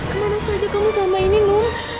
kemana saja kamu selama ini loh